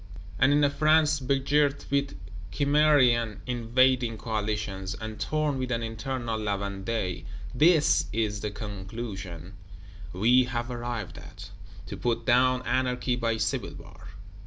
And in a France begirt with Cimmerian invading Coalitions, and torn with an internal La Vendée, this is the conclusion we have arrived at: To put down Anarchy by Civil War!